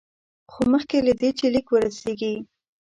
خو مخکې له دې چې لیک ورسیږي.